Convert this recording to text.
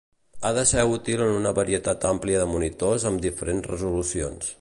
Ha de ser útil en una varietat àmplia de monitors amb diferents resolucions.